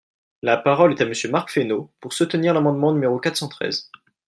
La parole est à Monsieur Marc Fesneau, pour soutenir l’amendement numéro quatre cent treize.